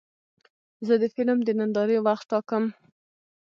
زه د فلم د نندارې وخت ټاکم.